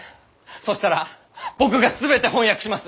そしたら僕が全て翻訳します！